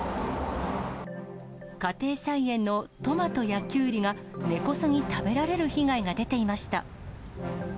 家庭菜園のトマトやキュウリが根こそぎ食べられる被害が出ていました。